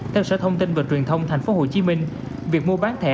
theo sở thông tin và truyền thông tp hcm việc mua bán thẻ